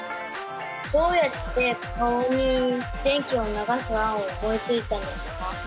どうやって顔に電気を流す案を思いついたんですか？